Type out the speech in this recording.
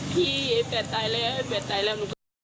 พี่ไอ้แฟดตายแล้วไอ้แฟดตายแล้ว